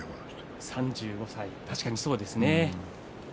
３５歳、確かにそうです。